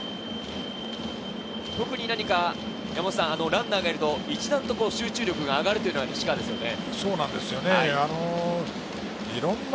特に何かランナーがいると、一段と集中力が上がるのが西川ですね。